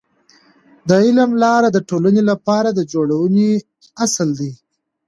د علم لاره د ټولنې لپاره د جوړونې اصل دی.